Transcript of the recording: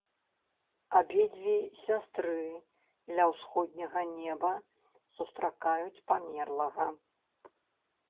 Абедзве сястры ля ўсходняга неба сустракаюць памерлага.